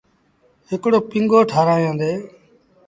هڪڙو پيٚنگو ٺآرآيآندي۔